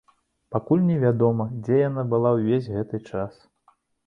Пакуль невядома, дзе яна была ўвесь гэты час.